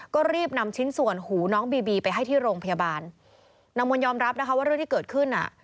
ก็รีบนำชิ้นส่วนหูน้องบีบีไปให้ที่โรงพยาบาลนางมนต์ยอมรับนะคะว่าเรื่องที่เกิดขึ้นอ่ะ